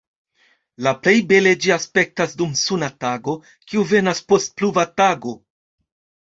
La plej bele ĝi aspektas dum suna tago, kiu venas post pluva tago.